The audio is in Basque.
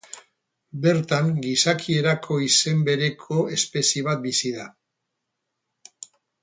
Bertan, gizaki erako izen bereko espezie bat bizi da.